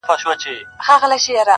o انسان بايد ځان وپېژني تل,